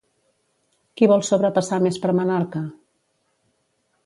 Qui vol sobrepassar Més per Menorca?